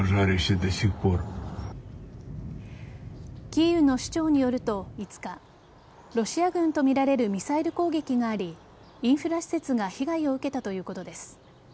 キーウの市長によると５日ロシア軍とみられるミサイル攻撃がありインフラ施設が被害を受けたということです。